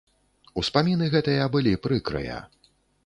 Успаміны гэтыя былі прыкрыя.